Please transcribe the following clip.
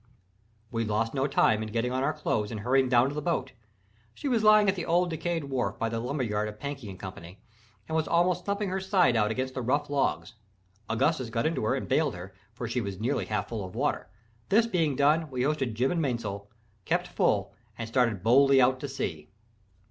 We lost no time in getting on our clothes and hurrying down to the boat. She was lying at the old decayed wharf by the lumber yard of Pankey & Co., and almost thumping her side out against the rough logs. Augustus got into her and bailed her, for she was nearly half full of water. This being done, we hoisted jib and mainsail, kept full, and started boldly out to sea.